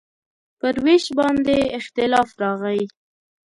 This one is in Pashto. پر وېش باندې اختلاف راغی.